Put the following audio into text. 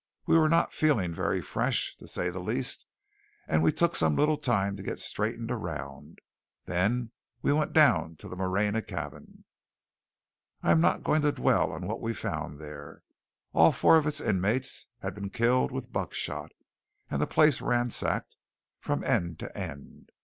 We were not feeling very fresh, to say the least; and we took some little time to get straightened around. Then we went down to the Moreña cabin. I am not going to dwell on what we found there. All four of its inmates had been killed with buckshot, and the place ransacked from end to end.